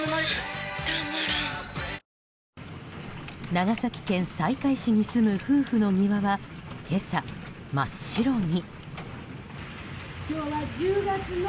長崎県西海市に住む夫婦の庭は今朝真っ白に。